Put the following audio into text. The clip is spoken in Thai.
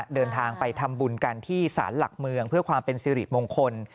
เดินทางไปทำบุญกันที่สารหลักเมืองเพื่อความเป็นสิริมงคล